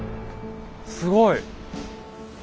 すごい。